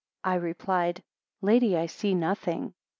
I replied, Lady, I see nothing.